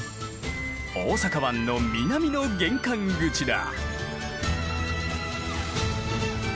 大阪湾の南の玄関口だ。